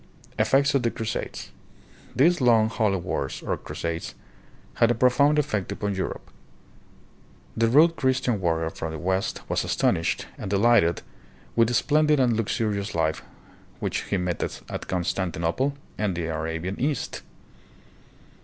Effects of the Crusades. These long, holy wars, or "Crusades," had a profound effect upon Europe. The rude Christian warrior from the west was astonished and delighted with the splendid and luxurious life which he met at Constantinople and the Arabian East.